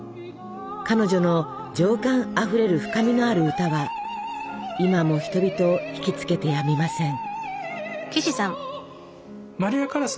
彼女の情感あふれる深みのある歌は今も人々を引きつけてやみません。